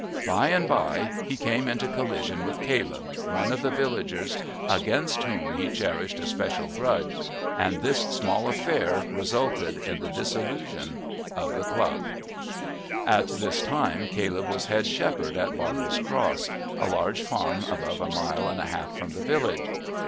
By and by he came into collision with Caleb, one of the villagers against whom he cherished a special grudge, and this small affair resulted in the dissolution of the club. At this time Caleb was head shepherd at Bartle's Cross, a large farm above a mile and a half from the village.